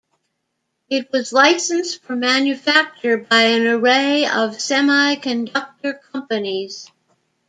It was licensed for manufacture by an array of semiconductor companies.